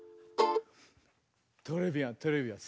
トレビアントレビアン。